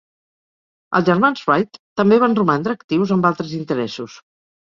Els germans Wright també van romandre actius amb altres interessos.